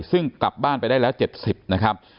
ซึ่งกลับบ้านไปได้แล้ว๗๐นะครับ